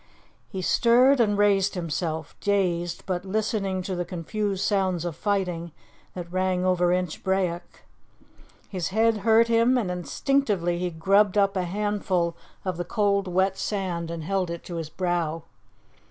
He stirred and raised himself, dazed, but listening to the confused sounds of fighting that rang over Inchbrayock. His head hurt him, and instinctively he grubbed up a handful of the cold, wet sand and held it to his brow.